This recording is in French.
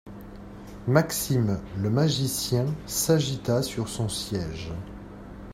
Maxime le magicien s’agita sur son siège.